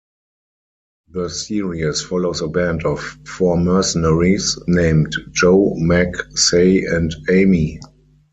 The series follows a band of four mercenaries, named Jo, Meg, Sei, and Amy.